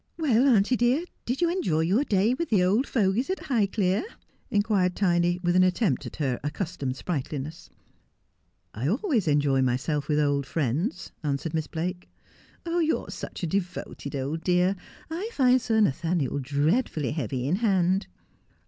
' Well, auntie dear, did you enjoy your dav with the old fogies at Highclere 1 ' inquired Tiny, with an attempt at her accustom ed sprightl iuess. ' 1 always enjoy myself with old friends,' answered Miss Blake. ' You are such a devoted old dear. I find Sir Nathaniel dreadfully heavy in hand.''